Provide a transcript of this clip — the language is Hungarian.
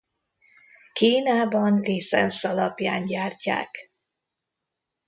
Kínában licenc alapján gyártják.